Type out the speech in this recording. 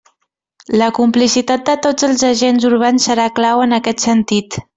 La complicitat de tots els agents urbans serà clau en aquest sentit.